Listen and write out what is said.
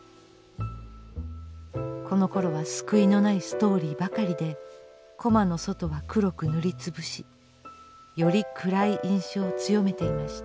このころは救いのないストーリーばかりでコマの外は黒く塗り潰しより暗い印象を強めていました。